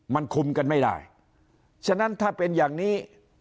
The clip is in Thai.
มันคุมกันไม่ได้ฉะนั้นถ้าเป็นอย่างนี้